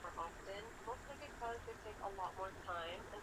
ndio mahali pekee palipokuwa pananifanya nishindwe kupata